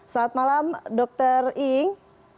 selamat malam dr ing